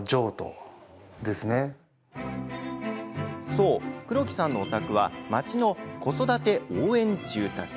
そう、黒木さんのお宅は町の子育て応援住宅。